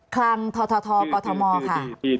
คลังท้อท้อท้อกอทมค่ะ